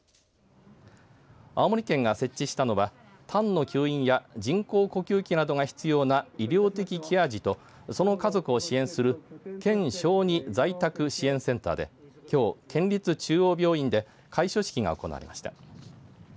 青森県が設置したのはたんの吸引や人工呼吸器などが必要な医療的ケア児とその家族を支援する県小児在宅支援センターできょう県立中央病院で開所式が行われました。